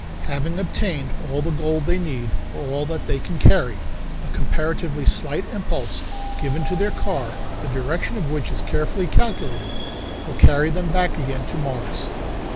"Having obtained all the gold they need, or all that they can carry, a comparatively slight impulse given to their car, the direction of which is carefully calculated, will carry them back again to Mars."